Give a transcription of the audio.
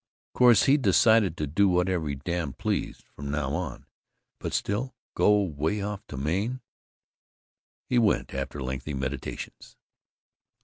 Course he'd decided to do whatever he darned pleased, from now on, but still to go way off to Maine!" He went, after lengthy meditations.